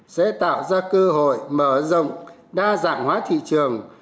sẽ tạo ra cơ hội mở rộng đa dạng hóa thị trường